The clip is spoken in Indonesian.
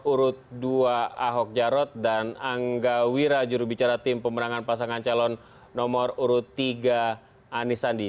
urut dua ahok jarot dan angga wira jurubicara tim pemenangan pasangan calon nomor urut tiga anis sandi